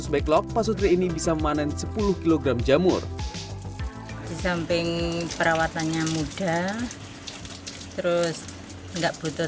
backlog pasutri ini bisa memanen sepuluh kg jamur di samping perawatannya mudah terus enggak butuh